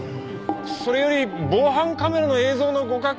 それより防犯カメラの映像のご確認を。